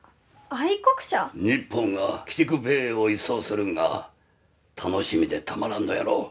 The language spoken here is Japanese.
日本が鬼畜米英を一掃するんが楽しみでたまらんのやろ？